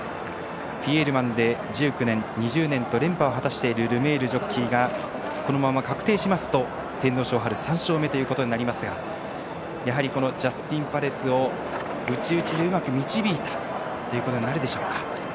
フィエールマンで１９年、２０年と連覇を果たしているルメールジョッキーがこのまま確定しますと天皇賞３勝目ということになりますがやはり、ジャスティンパレスを内、内にうまく導いたということになるでしょうか？